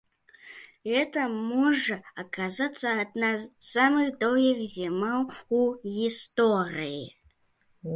Гэта можа аказацца адна з самых доўгіх зімаў у гісторыі.